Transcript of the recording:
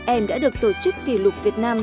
em đã được tổ chức kỷ lục việt nam